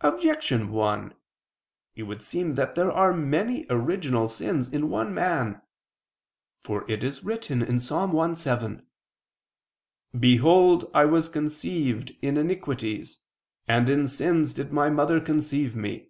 Objection 1: It would seem that there are many original sins in one man. For it is written (Ps. 1:7): "Behold I was conceived in iniquities, and in sins did my mother conceive me."